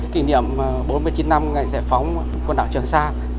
kỷ niệm bốn mươi chín năm ngày giải phóng quần đảo trường sa